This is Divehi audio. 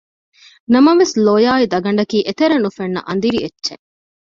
ނަމަވެސް ލޮޔާއި ދަގަނޑަކީ އެތެރެ ނުފެންނަ އަނދިރި އެއްޗެއް